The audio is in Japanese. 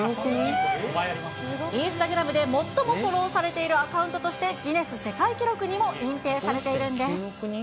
インスタグラムで最もフォローされているアカウントとして、ギネス世界記録にも認定されているんです。